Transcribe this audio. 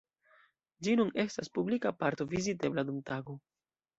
Ĝi nun estas publika parko vizitebla dum tago.